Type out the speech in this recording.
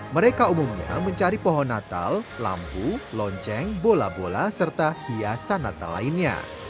mereka umumnya mencari pohon natal lampu lonceng bola bola serta hiasan natal lainnya